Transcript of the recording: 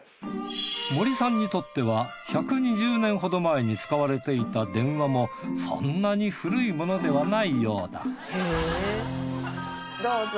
森さんにとっては１２０年ほど前に使われていた電話もそんなに古いものではないようだどうぞ。